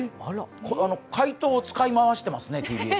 解答を使い回してますね。